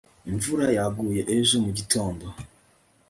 imvura yaguye ejo mugitondo